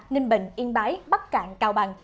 ninh bình yên bái bắc cạn cao bằng